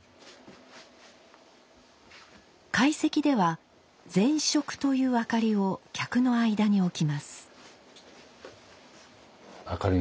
懐石では膳燭という明かりを客の間に置きます。